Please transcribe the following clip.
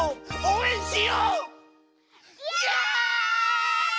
イエイ！